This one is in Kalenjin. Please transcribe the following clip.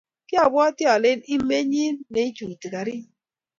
Kiobwati alen imenyi neichuti garit